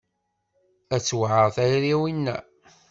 A tewɛer tayri a winna.